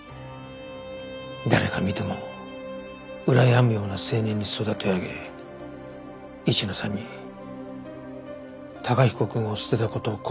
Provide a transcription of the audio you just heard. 誰が見てもうらやむような青年に育て上げ市野さんに崇彦くんを捨てた事を後悔させる。